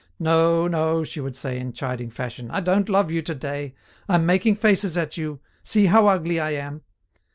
"No, no," she would say in chiding fashion; "I don't love you to day! I'm making faces at you; see how ugly I am."